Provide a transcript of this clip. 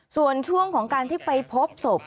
ส่วนช่วงของการที่ไปพบศพ